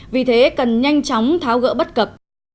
vì thế cần nhanh chóng tháo gỡ bất cập